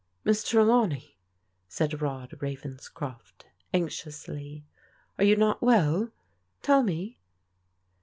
" Miss Trelawney," said Rod Ravenscrof t, anxioustyi " are you not well ? Tell me."